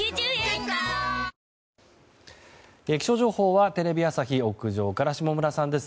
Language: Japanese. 気象情報はテレビ朝日屋上から下村さんです。